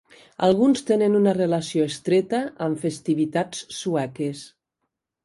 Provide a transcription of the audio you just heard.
Alguns tenen una relació estreta amb festivitats sueques.